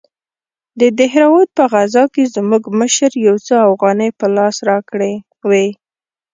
د دهراوت په غزا کښې زموږ مشر يو څو اوغانۍ په لاس راکړې وې.